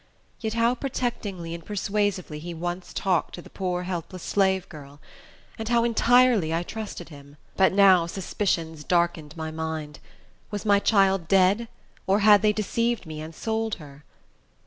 Yet how protectingly and persuasively he once talked to the poor, helpless slave girl! And how entirely I trusted him! But now suspicions darkened my mind. Was my child dead, or had they deceived me, and sold her?